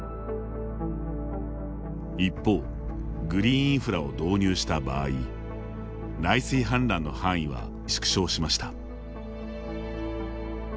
一方、グリーンインフラを導入した場合内水氾濫の範囲は縮小しました。